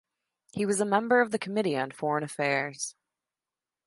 He was a member of the Committee on Foreign Affairs.